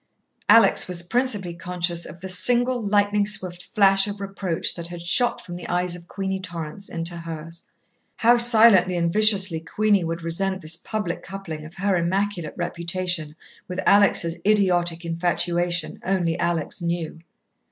Alex was principally conscious of the single, lightning swift flash of reproach that had shot from the eyes of Queenie Torrance into hers. How silently and viciously Queenie would resent this public coupling of her immaculate reputation with Alex' idiotic infatuation, only Alex knew.